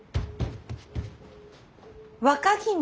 若君！